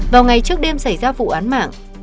vào ngày trước đêm xảy ra vụ án mạng